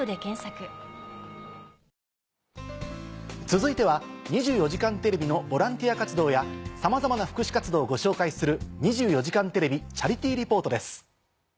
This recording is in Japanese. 続いては『２４時間テレビ』のボランティア活動やさまざまな福祉活動をご紹介する。